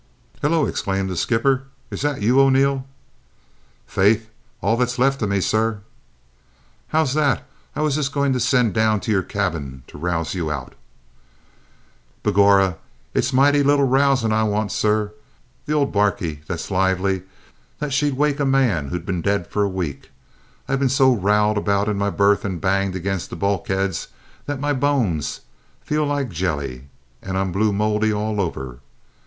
"Hullo!" exclaimed the skipper, "is that you, O'Neil?" "Faith, all that's lift of me, sir!" "How's that? I was just going to send down to your cabin to rouse you out." "Begorrah, its moighty little rousin' I want, sor! The ould barquey's that lively that she'd wake a man who'd been d'id for a wake, sure! I've been so rowled about in me burth and banged agin' the bulkheads that my bones fell loike jelly and I'm blue mouldy all over.